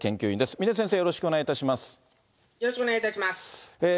峰先生、よろしくお願いいたします。